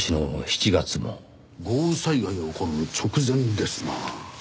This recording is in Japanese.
豪雨災害が起こる直前ですな。